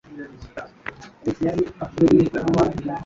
Baryozwa, ariko ntabwo ari amakosa yabo